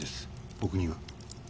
僕には。